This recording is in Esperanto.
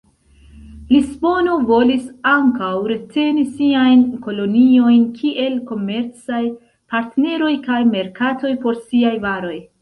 Lisbono volis ankaŭ reteni siajn koloniojn kiel komercaj partneroj kaj merkatoj por siaj varoj.